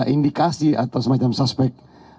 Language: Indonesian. indikasi atau semacam suspek